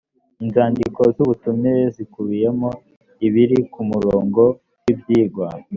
inzandiko z’ ubutumire zikubiyemo ibiri ku murongo w’ibyigwa